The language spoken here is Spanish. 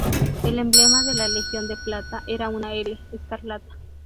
El emblema de la Legión de Plata era una "L" escarlata.